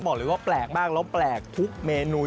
บอกเลยว่าแปลกมากแล้วแปลกทุกเมนู